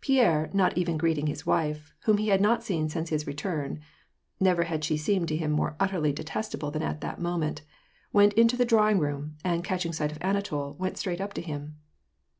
Pierre, not even greeting his wife, whom he had not seen since his return (never had she seemed to him more utterly detestable than at that moment), went into the drawing room, and catching sight of Anatol, went straight up to him.